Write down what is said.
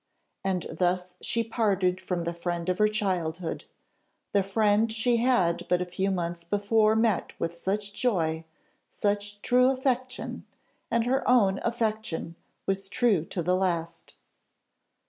And thus she parted from the friend of her childhood the friend she had but a few months before met with such joy, such true affection; and her own affection was true to the last.